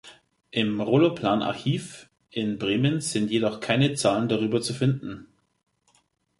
Im Roloplan-Archiv in Bremen sind jedoch keine Zahlen darüber zu finden.